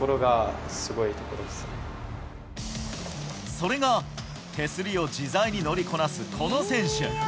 それが、手すりを自在に乗りこなす、この選手。